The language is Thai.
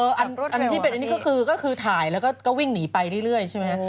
ใช่คือก็ขึ้นถ่ายแล้วก็วิ่งหนีไปเรื่อยที่นี้